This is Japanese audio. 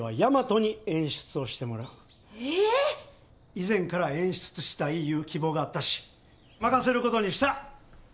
以前から演出したいいう希望があったし任せることにした！